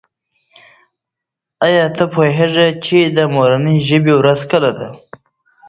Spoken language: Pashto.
آیا ته پوهېږې چې د مورنۍ ژبې ورځ کله ده؟